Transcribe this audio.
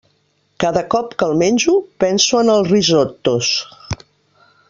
Cada cop que el menjo penso en els risottos.